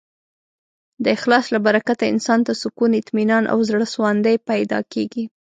د اخلاص له برکته انسان ته سکون، اطمینان او زړهسواندی پیدا کېږي.